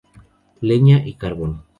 Leña y carbón.